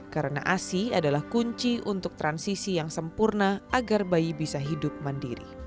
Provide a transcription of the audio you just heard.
karena asi adalah kunci untuk transisi yang sempurna agar bayi bisa hidup mandiri